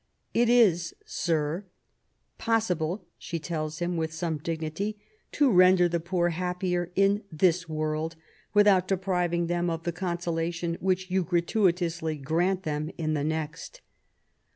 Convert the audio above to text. ''*' It is, Sir, possible,*' she tells him with some dignity, " to render the poor happier in this worlds without depriving them of the consolation which you gratuitously grant them in the next."